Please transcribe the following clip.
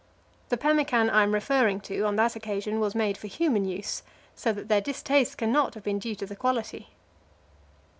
The pemmican I am referring to on that occasion was made for human use, so that their distaste cannot have been due to the quality.